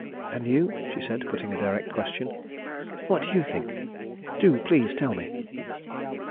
"And you?" she said, putting a direct question. "What do you think? Do please, tell me!"